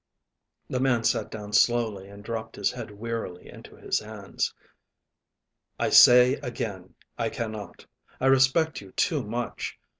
'" The man sat down slowly and dropped his head wearily into his hands. "I say again, I cannot. I respect you too much.